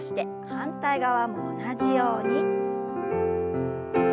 反対側も同じように。